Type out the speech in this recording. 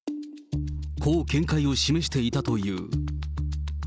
こう見解を示していたという。